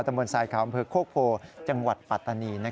บนทรายขาวอำเภอโคกโพจังหวัดปัตตานี